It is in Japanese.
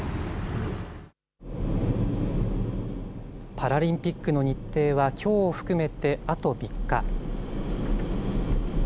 パラリンピックの日程は、きょうを含めてあと３日。